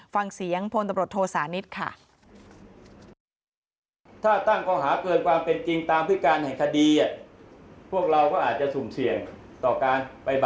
ฟังเสียงพลตบรรทศานิษฐ์ค่ะ